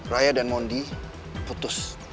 raya dan mondi putus